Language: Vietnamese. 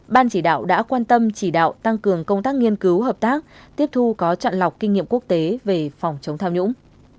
ban chỉ đạo đã quan tâm chỉ đạo tăng cường công tác nghiên cứu hợp tác tiếp thu có chặn lọc kinh nghiệm quốc tế về phòng chống tham nhũng